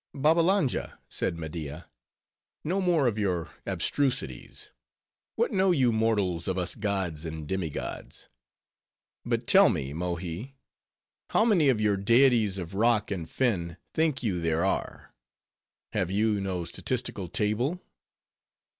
"Babbalanja," said Media, "no more of your abstrusities; what know you mortals of us gods and demi gods? But tell me, Mohi, how many of your deities of rock and fen think you there are? Have you no statistical table?"